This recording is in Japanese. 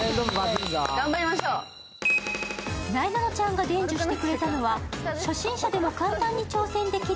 なえなのちゃんが伝授してくれたのは、初心者でも簡単にできる